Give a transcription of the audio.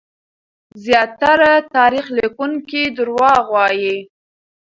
زياتره تاريخ ليکونکي دروغ وايي.